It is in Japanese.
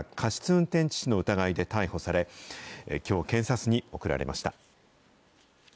運転致死の疑いで逮捕され、きょう、検察に送られました。